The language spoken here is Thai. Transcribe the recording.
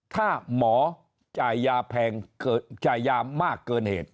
ถ้าหมอจ่ายยาแพงจ่ายยามากเกินเหตุ